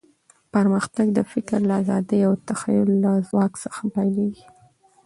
پرمختګ د فکر له ازادۍ او د تخیل له ځواک څخه پیلېږي.